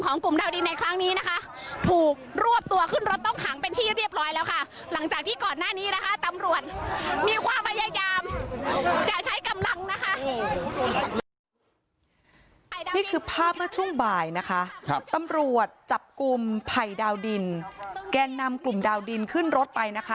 นี่คือภาพเมื่อช่วงบ่ายนะคะตำรวจจับกลุ่มไผ่ดาวดินแกนนำกลุ่มดาวดินขึ้นรถไปนะคะ